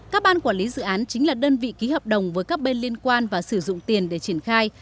các ban quản lý dự án chính là đơn vị ký hợp đồng với các bên liên quan và sử dụng tiền để triển khai